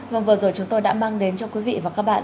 vâng vừa rồi chúng tôi đã mang đến cho quý vị và các bạn